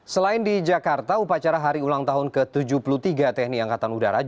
selain di jakarta upacara hari ulang tahun ke tujuh puluh tiga tni angkatan udara